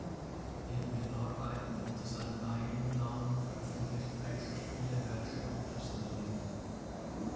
Neben den Arbeiten unter seinem eigenen Namen veröffentlicht Bekker viele Werke unter Pseudonymen.